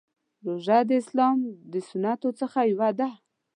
روژه د اسلام د ستنو څخه یوه ده.